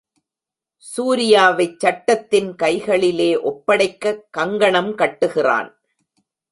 சூரியாவைச் சட்டத்தின் கைகளிலே ஒப்படைக்கக் கங்கணம் கட்டுகிறான்.